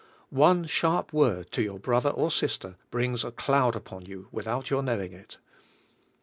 One sharp word to your brother or sister brings a cloud upon you without your knowing it.